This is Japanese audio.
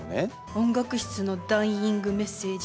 音楽室のダイイングメッセージ。